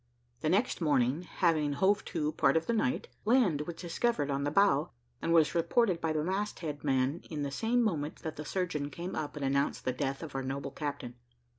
The next morning, having hove to part of the night, land was discovered on the bow, and was reported by the mast head man at the same moment that the surgeon came up and announced the death of our noble captain.